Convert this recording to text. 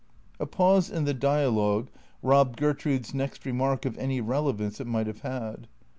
A pause in the dialogue robbed Gertrude's nest remark of any relevance it might have had.